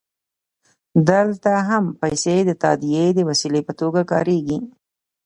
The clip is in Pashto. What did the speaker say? دلته هم پیسې د تادیې د وسیلې په توګه کارېږي